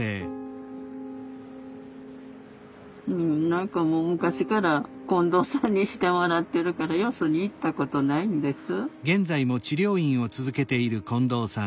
何かもう昔から近藤さんにしてもらってるからよそに行ったことないんです。